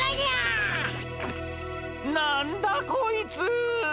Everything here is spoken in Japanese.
なんだこいつ！